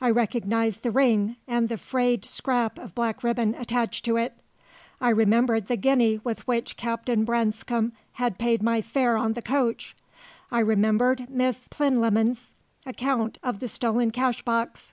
I recognized the ring and the frayed scrap of black ribbon attached to it. I remembered the guinea with which Captain Branscome had paid my fare on the coach. I remembered Miss Plinlimmon's account of the stolen cashbox.